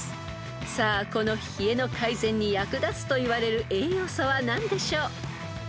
［さあこの冷えの改善に役立つといわれる栄養素は何でしょう？］